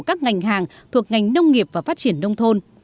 các ngành hàng thuộc ngành nông nghiệp và phát triển nông thôn